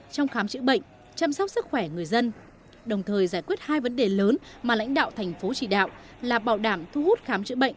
trong khám chữa bệnh chăm sóc sức khỏe người dân đồng thời giải quyết hai vấn đề lớn mà lãnh đạo thành phố chỉ đạo là bảo đảm thu hút khám chữa bệnh